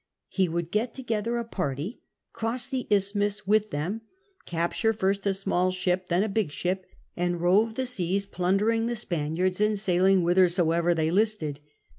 He^ would got together a party, cross the isthmus with them, capture first a small ship and then a big ship, and rove the seas, phmdering the Spaniards and sailing whithersoever they listed.